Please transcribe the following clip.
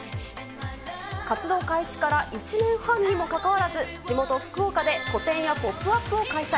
活動開始から１年半にもかかわらず、地元、福岡で個展やポップアップを開催。